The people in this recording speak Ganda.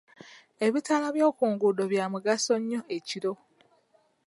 Ebitaala by'oku nguudo byamugaso nnyo ekiro.